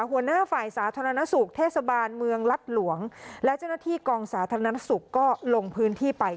หัวหน้าฝ่ายสาธารณสุขเทศบาลเมืองรัฐหลวงและเจ้าหน้าที่กองสาธารณสุขก็ลงพื้นที่ไป